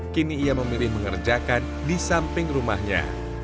kini ia memilih mengerjakan di samping rumahnya